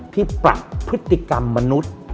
ที่ปรับพฤติกรรมมนุษย์